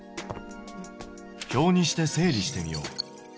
表にして整理してみよう。